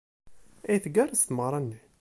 Ay tgerrez tmeɣra-nni!